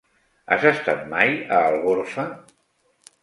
Has estat mai a Algorfa?